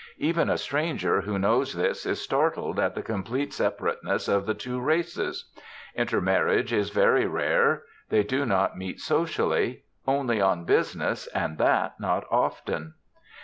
Even a stranger who knows this is startled at the complete separateness of the two races. Inter marriage is very rare. They do not meet socially; only on business, and that not often.